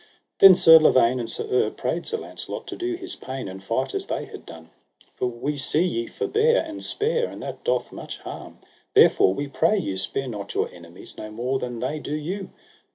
Then Sir Lavaine and Sir Urre prayed Sir Launcelot to do his pain, and fight as they had done; For we see ye forbear and spare, and that doth much harm; therefore we pray you spare not your enemies no more than they do you.